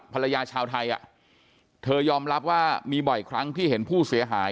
ชาวไทยเธอยอมรับว่ามีบ่อยครั้งที่เห็นผู้เสียหาย